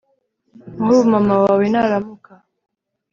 nkubu mama wawe naramuka